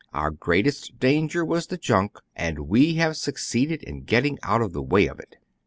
"Our greatest danger was the junk, and we have succeeded in getting out of the way of it."